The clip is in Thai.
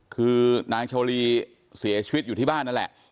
คือนางโชลีเสียชีวิตอยู่ที่บ้านนั่นแหละ